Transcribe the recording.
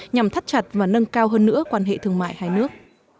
nhằm thắt chặt và nâng cao hơn nữa quan hệ thương mại hai nước